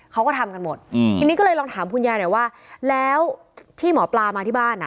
เขาก็ทำกันหมดอืมทีนี้ก็เลยลองถามคุณยายหน่อยว่าแล้วที่หมอปลามาที่บ้านอ่ะ